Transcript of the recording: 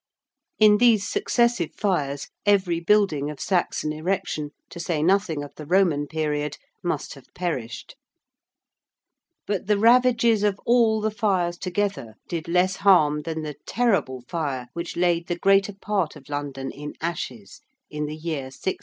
In these successive fires every building of Saxon erection, to say nothing of the Roman period, must have perished. But the ravages of all the fires together did less harm than the terrible fire which laid the greater part of London in ashes in the year 1666.